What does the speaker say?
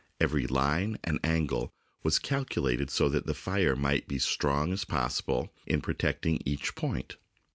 Every line and angle was calculated so that the fire might be as strong as possible in protecting each point.